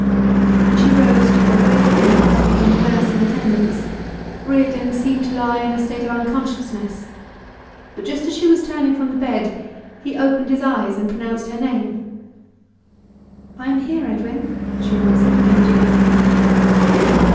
When she rose to go away for the night, leaving the nurse in attendance, Reardon seemed to lie in a state of unconsciousness, but just as she was turning from the bed, he opened his eyes and pronounced her name. 'I am here, Edwin,' she answered, bending over him.